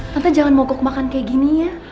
tante jangan mokok makan kayak gini ya